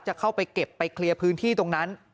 จะเข้าไปเก็บไปเคลียร์พื้นที่ตรงนั้น